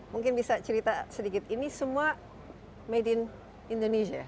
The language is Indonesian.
mungkin bisa cerita sedikit ini semua made in indonesia